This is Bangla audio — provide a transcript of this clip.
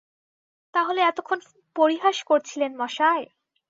তা হলে এতক্ষণ পরিহাস করছিলেন মশায়?